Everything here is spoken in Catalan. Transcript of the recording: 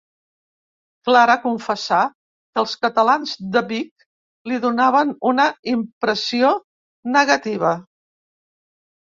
Clara confessà que els catalans "de Vic" li donaven una impressió negativa.